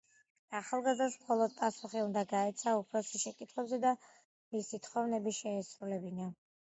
ახალგაზრდას მხოლოდ პასუხი უნდა გაეცა უფროსის შეკითხვებზე და მისი თხოვნები შეესრულებინა.